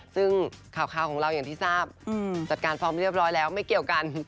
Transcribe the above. ซึ่งข่าวของเรายังที่ทราบจัดการสิ่งพร้อมพร้อมเรียบร้อยแล้วไม่เกี่ยวกัน